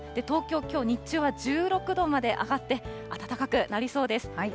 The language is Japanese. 東京、きょう日中は１６度まで上がって、暖かくなりそうです。